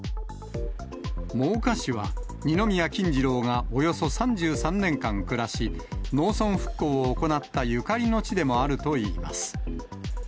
真岡市は二宮金次郎がおよそ３３年間暮らし、農村復興を行ったゆかりの地でもあるといいます。